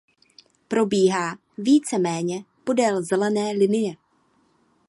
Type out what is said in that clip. Probíhá víceméně podél Zelené linie.